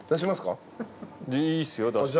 いいっすよ出しても。